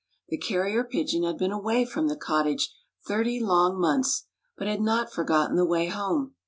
The carrier pigeon had been away from the cottage thirty long months, but had not forgotten the way home.